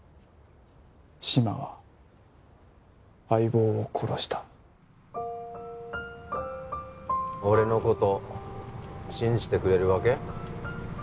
志摩は相棒を殺した俺のこと信じてくれるわけ？